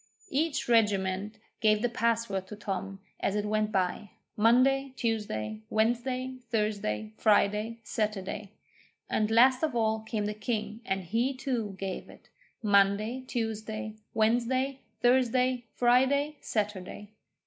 Each regiment gave the password to Tom as it went by Monday, Tuesday, Wednesday, Thursday, Friday, Saturday; and last of all came the king, and he, too, gave it Monday, Tuesday, Wednesday, Thursday, Friday, Saturday.